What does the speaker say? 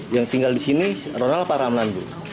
yang tinggal disini ronald apa ramlan